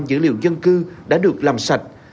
gần một trăm linh dữ liệu dân cư đã được làm sạch